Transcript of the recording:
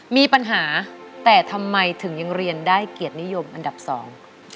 มีปัญหาแต่ทำไมถึงยังเรียนได้เกียรตินิยมอันดับสอง